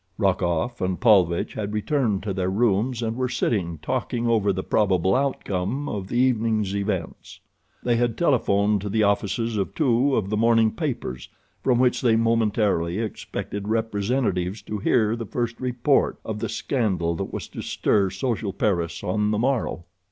Rokoff and Paulvitch had returned to their rooms, and were sitting talking over the probable outcome of the evening's events. They had telephoned to the offices of two of the morning papers from which they momentarily expected representatives to hear the first report of the scandal that was to stir social Paris on the morrow.